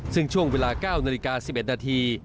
ซึ่งช่วงเวลา๙นาฬิกา๑๑นาที